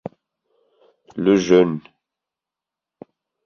Le Jeune.